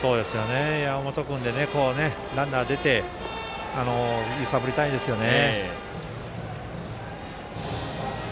山本君がランナーに出て揺さぶりたいですよね。